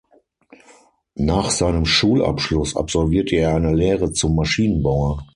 Nach seinem Schulabschluss absolvierte er eine Lehre zum Maschinenbauer.